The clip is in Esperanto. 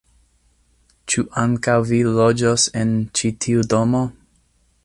Ĉu ankaŭ vi loĝos en ĉi tiu domo?